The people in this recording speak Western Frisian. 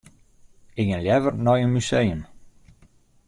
Ik gean leaver nei in museum.